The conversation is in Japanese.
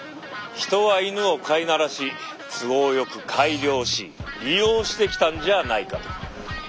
ヒトはイヌを飼いならし都合よく改良し利用してきたんじゃあないかと。